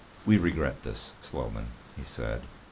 "We regret this, Sloman," he said.